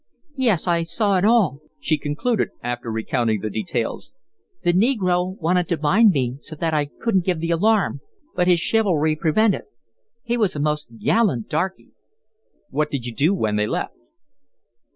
"Yes, I saw it all," she concluded, after recounting the details. "The negro wanted to bind me so that I couldn't give the alarm, but his chivalry prevented. He was a most gallant darky." "What did you do when they left?"